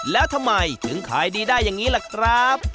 แล้วทำไมถึงขายดีได้อย่างนี้ล่ะครับ